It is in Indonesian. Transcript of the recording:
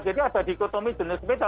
jadi ada dikotomi jenis sepeda